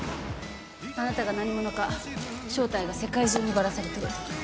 あなたが何者か正体が世界中にばらされている。